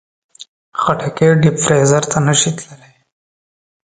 خټکی ډیپ فریزر ته نه شي تللی.